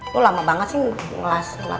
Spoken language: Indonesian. tuh lama banget sih ngelas